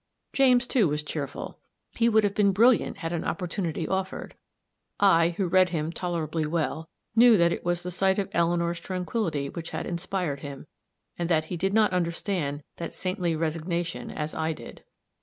James, too, was cheerful; he would have been brilliant had an opportunity offered. I, who read him tolerably well, knew that it was the sight of Eleanor's tranquillity which had inspired him and that he did not understand that saintly resignation as I did.